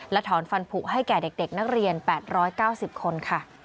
ถอนฟันผูกให้แก่เด็กนักเรียน๘๙๐คนค่ะ